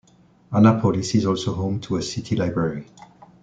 Annapolis is also home to a city library.